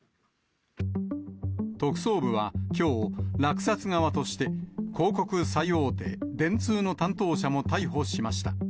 特捜部はきょう、落札側として、広告最大手、電通の担当者も逮捕しました。